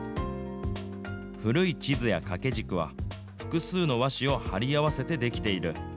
古い地図や掛け軸は、複数の和紙を貼り合わせて出来ている。